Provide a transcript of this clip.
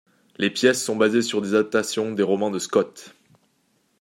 Les pièces sont basées sur des adaptations des romans de Scott.